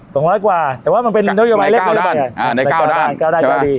สองร้อยกว่าแต่ว่ามันเป็นนโยบายเล็กในเก้าด้านอ่าในเก้าด้านเก้าด้านเก้าดี